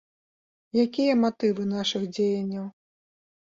Якія матывы нашых дзеянняў?